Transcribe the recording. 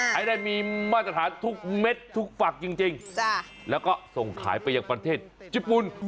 ให้ได้มีมาตรฐานทุกเม็ดทุกฝักจริงแล้วก็ส่งขายไปยังประเทศญี่ปุ่น